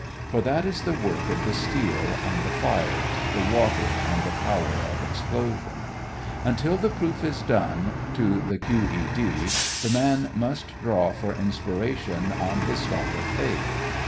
For that is the work of the steel and the fire, the water and the power of explosion. Until the proof is done to the Q.E.D., the man must draw for inspiration on his stock of faith.